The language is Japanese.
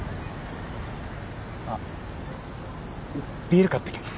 あっビール買ってきます。